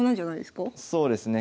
そうですね。